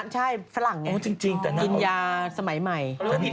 ที่สนัชเป็นคุณแม่ทิเช่ามากเลยดูสิ